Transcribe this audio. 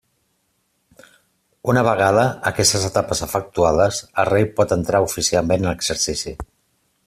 Una vegada aquestes etapes efectuades, el rei pot entrar oficialment en exercici.